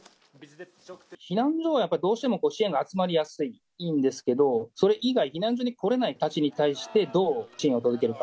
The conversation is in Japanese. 避難所はやっぱり、どうしても支援が集まりやすい、いいんですけど、それ以外、避難所に来れない人たちに対してどう支援を届けるか。